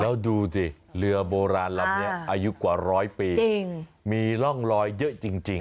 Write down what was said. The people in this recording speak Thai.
แล้วดูสิเรือโบราณลำนี้อายุกว่าร้อยปีมีร่องรอยเยอะจริง